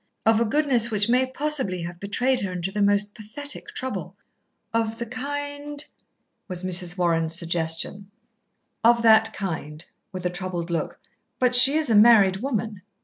Of a goodness which may possibly have betrayed her into the most pathetic trouble." "Of the kind ?" was Mrs. Warren's suggestion. "Of that kind," with a troubled look; "but she is a married woman."